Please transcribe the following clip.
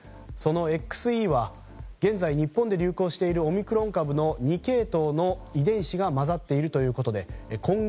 そのＸＥは現在日本で流行しているオミクロン株の２系統の遺伝子が混ざっているということです。